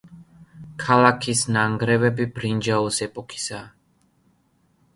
ქალაქის ნანგრევები ბრინჯაოს ეპოქისაა.